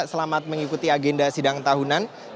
selamat mengikuti agenda sidang tahunan